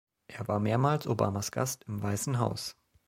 Er war mehrmals Obamas Gast im Weißen Haus.